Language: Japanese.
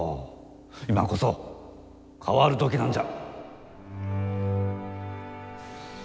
今こそ変わる時なんじゃ。